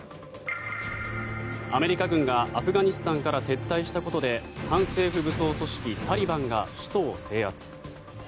アメリカ軍がアフガニスタンから撤退したことで反政府武装組織タリバンが首都を制圧。